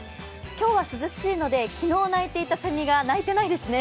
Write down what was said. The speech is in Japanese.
今日は涼しいので昨日鳴いていたせみが鳴いてないですね。